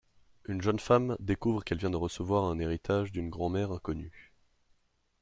Une jeune femme découvre qu'elle vient de recevoir un héritage d'une grand-mère inconnue.